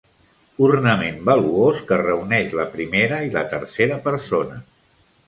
Ornament valuós que reuneix la primera i la tercera persona.